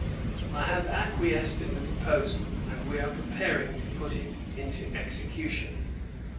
I have acquiesced in the proposal, and we are preparing to put it into execution."